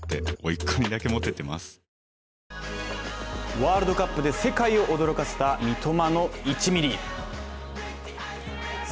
ワールドカップで世界を驚かせた三笘の１ミリ。